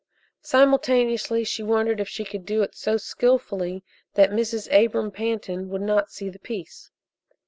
Simultaneously she wondered if she could do it so skilfully that Mrs. Abram Pantin would not see the piece.